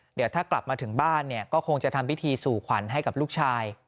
เดี๋ยวถ้ากลับมาถึงบ้านเนี่ยก็คงจะทำพิธีสู่ขวัญให้กับลูกชาย